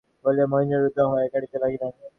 বলিয়া মহিষী রুদ্ধকণ্ঠ হইয়া কাঁদিতে লাগিলেন।